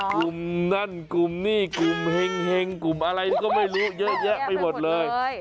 กุมนั้นกุมนี่กุมแห่งกุมอะไรก็ไม่รู้เยอะไปหมดเลย